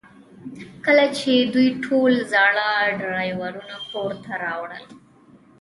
کله چې دوی ټول زاړه ډرایوونه کور ته راوړل